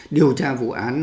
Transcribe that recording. điều tra vụ án